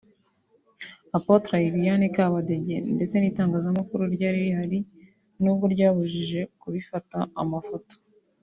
Apotre Liliane Mukabadege ndetse n'itangazamakuru ryari rihari nubwo ryabujijwe kubifata amafoto